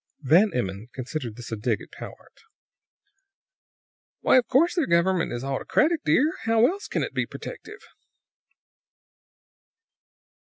Van Emmon considered this a dig at Powart. "Why, of course their government is autocratic, dear! How else can it be protective?"